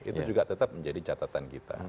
itu juga tetap menjadi catatan kita